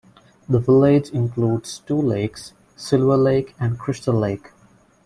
The village includes two lakes: Silver Lake and Crystal Lake.